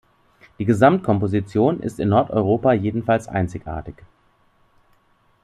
Die Gesamtkomposition ist in Nordeuropa jedenfalls einzigartig.